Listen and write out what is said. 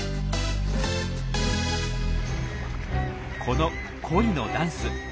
この恋のダンス。